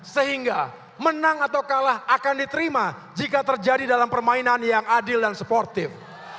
sehingga menang atau kalah akan diterima jika terjadi dalam permainan yang adil dan sportif